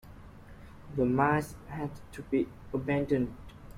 The mines had to be abandoned.